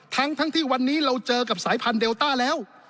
ทั้งที่วันนี้เราเจอกับสายพันธุเดลต้าแล้ว